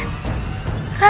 kau mau kemana